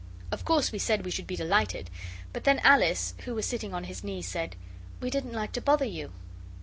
Of course we said we should be delighted, but then Alice, who was sitting on his knee, said, 'We didn't like to bother you.